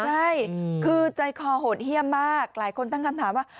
ใช่คือใจคอโหดเยี่ยมมากหลายคนตั้งคำถามว่า